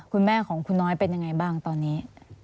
คุณแม่ของคุณน้อยเป็นยังไงบ้างตอนนี้